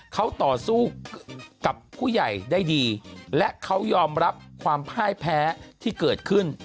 เขาต่อสู้กับผู้ใหญ่ได้ดีและเขายอมรับความพ่ายแพ้ที่เกิดขึ้น